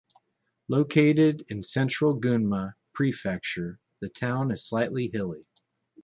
Located in central Gunma Prefecture, the town is slightly hilly.